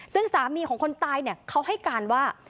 ซึ่งสามีของคนตายเขาให้การว่า